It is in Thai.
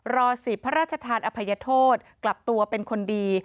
รอสิทธิ์พระราชทานอภัยโทษกลับตัวเป็นคนดี